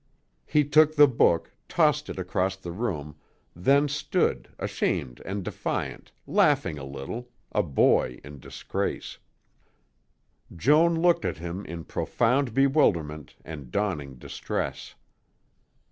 He took the book, tossed it across the room, then stood, ashamed and defiant, laughing a little, a boy in disgrace. Joan looked at him in profound bewilderment and dawning distress.